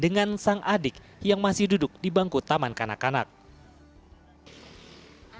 dan kemudian berbagi kepadanya bagaimana cara untuk memperbaiki kekuatan kebersihan masjid di jakarta